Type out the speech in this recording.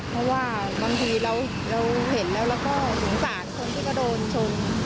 เพราะว่าบางทีเราเห็นแล้วเราก็สงสารคนที่ก็โดนชน